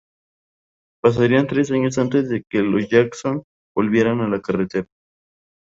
Pasarían tres años antes de que los Jackson volvieran a la carretera.